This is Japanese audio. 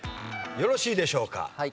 よろしいでしょうか。